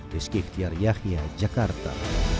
rizkihtiar yahya jakarta